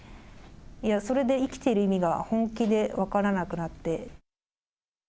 いや、それで生きてる意味が本気で分からなくなって。